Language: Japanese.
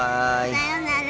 さようなら。